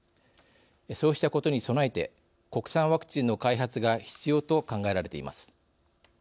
そうしたことに備えて国産ワクチンの開発が必要と考えられています。